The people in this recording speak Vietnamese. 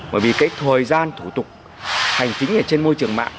bởi vì cái thời gian thủ tục hành chính ở trên môi trường mạng